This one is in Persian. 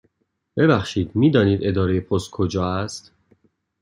ببخشید، می دانید اداره پست کجا است؟